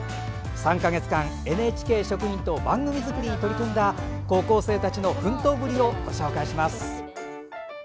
３か月間、ＮＨＫ職員と番組作りに取り組んだ高校生の奮闘ぶりをご紹介します。